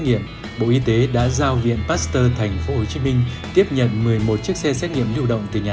nghiệm bộ y tế đã giao viện pasteur tp hcm tiếp nhận một mươi một chiếc xe xét nghiệm lưu động từ nhà